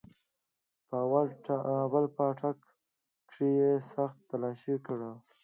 په اول پاټک کښې يې سخت تلاشي كړو.